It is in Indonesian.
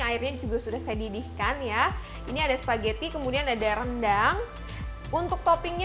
airnya juga sudah saya didihkan ya ini ada spaghetti kemudian ada rendang untuk toppingnya